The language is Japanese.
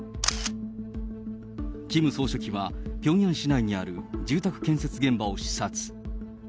キム総書記は、ピョンヤン市内にある住宅建設現場を視察。